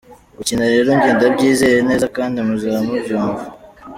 Gukina rero njye ndabyizeye neza kandi muzaba mubyumva.